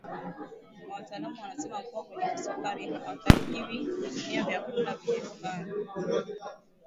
wataalamu wanasema mtu mwenye kisukari hatakiwi kutumia vyakula vyenye sukari